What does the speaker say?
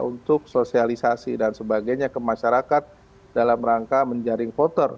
untuk sosialisasi dan sebagainya ke masyarakat dalam rangka menjaring voter